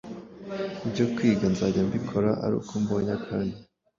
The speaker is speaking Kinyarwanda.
Ibyo kwiga nzajya mbikora ari uko mbonye akanya.